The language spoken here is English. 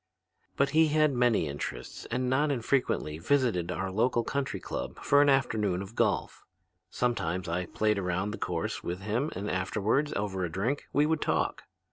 "But he had many interests and not infrequently visited our local country club for an afternoon of golf. Sometimes I played around the course with him and afterward, over a drink, we would talk.